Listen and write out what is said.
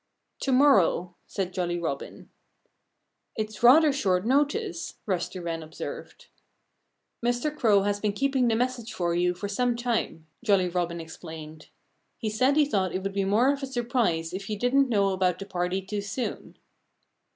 "To morrow!" said Jolly Robin. "It's rather short notice," Rusty Wren observed. "Mr. Crow has been keeping the message for you for some time," Jolly Robin explained. "He said he thought it would be more of a surprise if you didn't know about the party too soon."